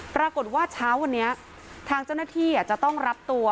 ปรากฏว่าเช้าวันนี้ทางเจ้าหน้าที่จะต้องรับตัว